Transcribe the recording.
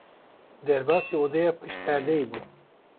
Derbasî odeya pişt perdeyê bû.